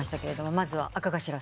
まずは赤頭さん。